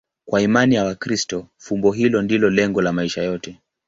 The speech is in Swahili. Kwa imani ya Wakristo, fumbo hilo ndilo lengo la maisha yote.